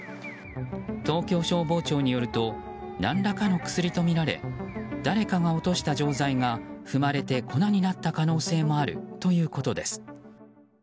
東京消防庁によると何らかの薬とみられ誰かが落とした錠剤が踏まれて粉になった可能性もあるということです。